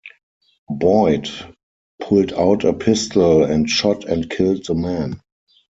Boyd pulled out a pistol and shot and killed the man.